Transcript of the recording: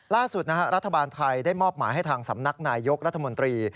ล่าสุดรัฐบาลไทยได้มอบหมายให้ทางสำนักนายยกรัฐมนตรี